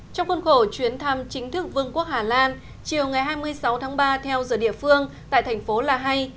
trong khuôn khổ chuyến thăm chính thức vương quốc hà lan chiều ngày hai mươi sáu tháng ba theo giờ địa phương tại thành phố la hay